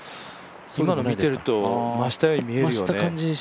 今の見てると増したように見えるよね。